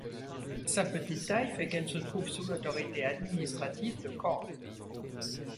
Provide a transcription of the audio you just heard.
Sa petite taille fait qu'elle se trouve sous l'autorité administrative de Cork.